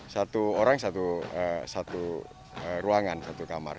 satu orang satu ruangan satu kamar